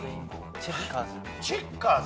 チェッカーズ。